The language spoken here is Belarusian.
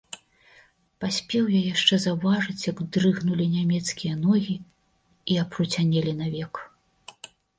Паспеў я яшчэ заўважыць, як дрыгнулі нямецкія ногі і апруцянелі навек.